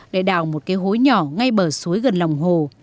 để đào một cái hối nhỏ ngay bờ suối gần lòng hồ